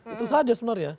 itu saja sebenarnya